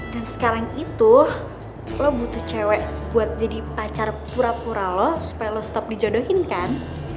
dan sekarang itu lo butuh cewek buat jadi pacar pura pura lo supaya lo tetep dijodohin kan